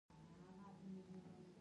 د راتلونکي لپاره هیله لرئ؟